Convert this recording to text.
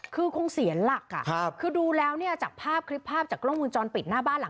คือคงเสียหลักดูแล้วจากภาพจากกล้องมือจอนปิดหน้าบ้าน